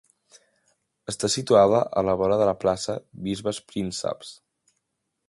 Està situada a la vora de la Plaça Bisbes Prínceps.